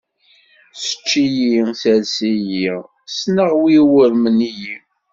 Sečč-iyi, sers-iyi, ssneɣ wi urwen-iyi.